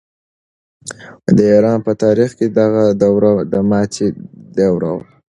د ایران په تاریخ کې دغه دوره د ماتې دوره وه.